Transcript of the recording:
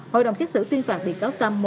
hội đồng xét xử tuyên phạt bị cáo tâm